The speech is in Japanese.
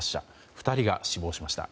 ２人が死亡しました。